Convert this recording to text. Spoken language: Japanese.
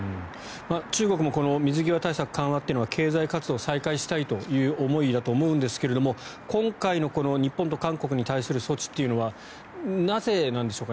中国もこの水際対策緩和というのは経済活動を再開したいという思いだと思うんですが今回の日本と韓国に対する措置というのはなぜなんでしょうか。